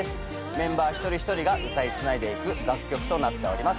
メンバー一人一人が歌いつないでいく楽曲となっております。